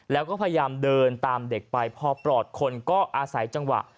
แล้วก็พยายามเดินตามเด็กไปพอปลอดคนก็อาศัยจังหวะ